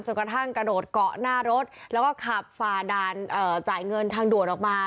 กระทั่งกระโดดเกาะหน้ารถแล้วก็ขับฝ่าด่านจ่ายเงินทางด่วนออกมา